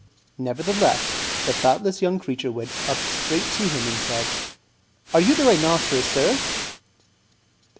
Nevertheless, the thoughtless young creature went up straight to him and said, "Are you the rhinoceros, sir?"